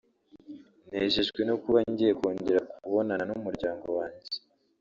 “Nejejwe no kuba ngiye kongera kubonana n’umuryango wanjye